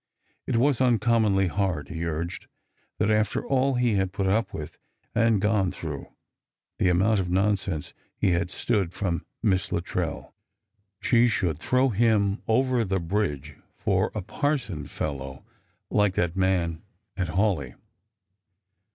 It was uncommonly hard, he urged, that after all he had put np with and gone through — the amoimt of nonsense he had stood from Miss Luttrell — she should throw him over the bridge for a par eon fellow like that man at Hawleigh.